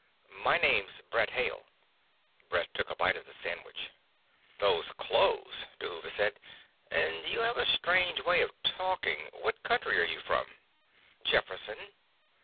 "My name's Brett Hale." Brett took a bite of the sandwich. "Those clothes," Dhuva said. "And you have a strange way of talking. What county are you from?" "Jefferson."